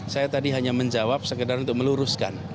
saya tadi hanya menjawab sekedar untuk meluruskan